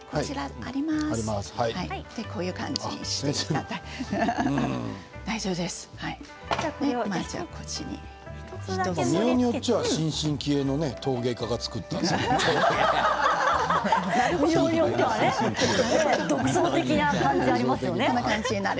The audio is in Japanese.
見ようによっては新進気鋭の陶芸家が作った器に見える。